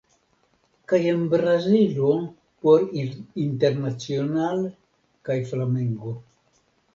Kaj en Brazilo por Internacional kaj Flamengo.